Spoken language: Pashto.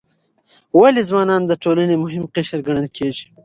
ولې ځوانان د ټولنې مهم قشر ګڼل کیږي؟